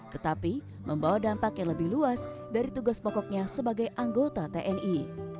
tetapi membawa dampak yang lebih luas dari tugas pokoknya sebagai anggota tni